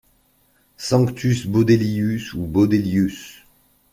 Sanctus Baudelius ou Baudilius.